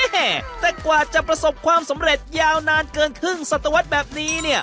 แต่กว่าจะประสบความสำเร็จยาวนานเกินครึ่งสัตวรรษแบบนี้เนี่ย